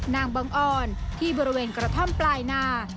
นางบังออนที่บริเวณกระท่อมปลายนา